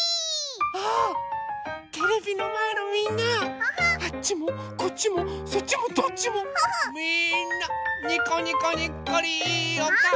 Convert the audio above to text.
あテレビのまえのみんなあっちもこっちもそっちもどっちもみんなにこにこにっこりいいおかお。